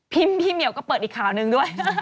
พิมพ์พี่เหมียวก็เปิดอีกข่าวนึงด้วย